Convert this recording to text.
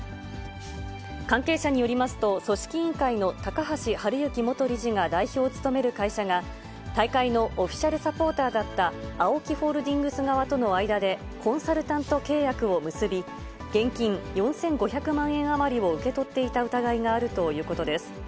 関係者によりますと、組織委員会の高橋治之元理事が代表を務める会社が、大会のオフィシャルサポーターだったＡＯＫＩホールディングス側との間でコンサルタント契約を結び、現金４５００万円余りを受け取っていた疑いがあるということです。